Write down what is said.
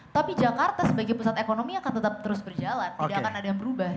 tapi jakarta sebagai pusat ekonomi akan tetap terus berjalan tidak akan ada yang berubah